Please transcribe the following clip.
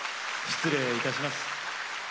失礼いたします。